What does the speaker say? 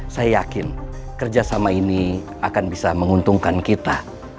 saya yakin kerjasama ini akan bisa menguntungkan kita